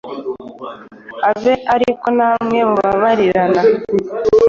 abe ari ko namwe mubabarirana.